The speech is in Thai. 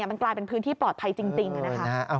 มันกลายเป็นพื้นที่ปลอดภัยจริงนะคะ